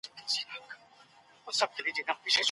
آیا ټول زده کوونکي کمپیوټر ته لاسرسی لري؟